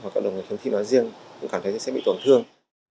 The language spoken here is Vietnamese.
cộng đồng người khuyết tật nó riêng cũng cảm thấy sẽ bị tổn thương